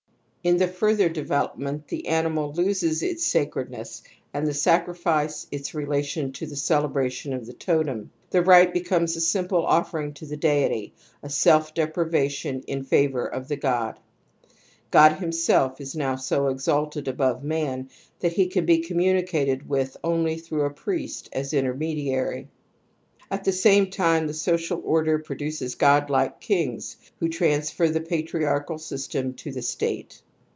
In the further development the animal loses its sacredness and the sacrifice its relation to the celebration of the totem ; the rite becomes a simple offering to the deity, a self deprivation in favour of the god. God himself is now so ex alted above man that he can be communicated with only through a priest as intermediary. At the same time the social order produces godlike kings who transfer the patriarchal sys tem to the state.